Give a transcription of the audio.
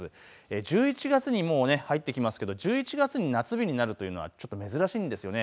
１１月に入ってきますが１１月に夏日になるというのは珍しいんですよね。